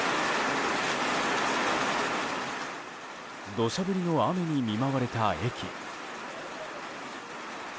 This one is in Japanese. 土砂降りの雨に見舞われた駅。